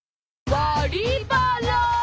「バリバラ」。